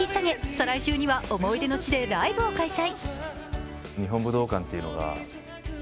再来週には思い出の地でライブを開催。